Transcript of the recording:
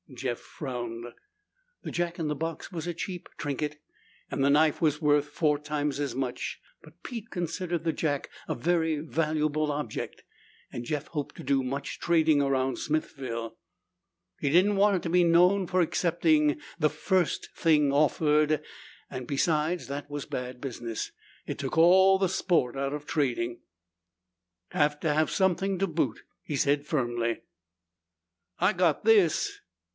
Jeff frowned. The jack in the box was a cheap trinket and the knife was worth four times as much. But Pete considered the jack a very valuable object and Jeff hoped to do much trading around Smithville. He did not want to be known for accepting the first thing offered and, besides, that was bad business. It took all the sport out of trading. "Have to have something to boot," he said firmly. "I got this."